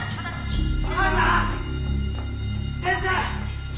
先生！